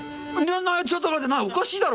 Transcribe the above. ちょっと待って、これ、おかしいだろ！